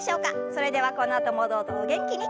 それではこのあともどうぞお元気に。